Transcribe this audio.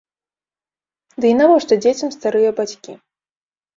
Ды і навошта дзецям старыя бацькі?